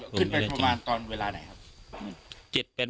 ขึ้นไปประมาณตอนเวลาไหนครับ